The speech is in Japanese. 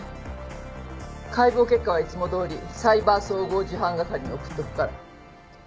解剖結果はいつもどおりサイバー総合事犯係に送っておくから。